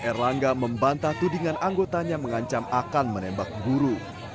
erlangga membantah tudingan anggotanya mengancam akan menembak guru